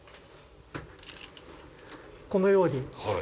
このように。